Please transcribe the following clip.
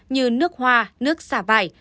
như nước hoa nước xà vải